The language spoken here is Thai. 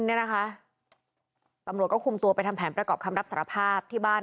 นะคะปำลังตัวไปทำแผนประกอบคำรับสารภาพที่บ้าน